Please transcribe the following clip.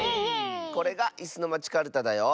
これが「いすのまちカルタ」だよ。